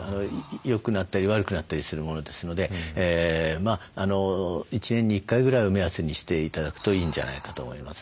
よくなったり悪くなったりするものですので１年に１回ぐらいを目安にして頂くといいんじゃないかと思います。